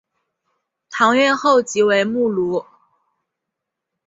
堂院后即为墓庐。